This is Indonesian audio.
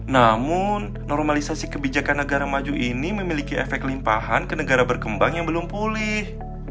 namun normalisasi kebijakan negara maju ini memiliki efek limpahan ke negara berkembang yang belum pulih